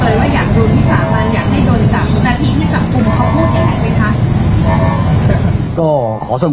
เผยว่าอยากรู้ที่สามอยากให้รู้จักคุณพี่สำคัญ